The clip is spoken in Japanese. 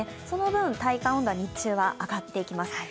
その分、体感温度は日中は上がっていきます。